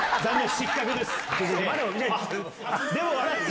失格です。